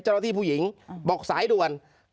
เจ้าหน้าที่แรงงานของไต้หวันบอก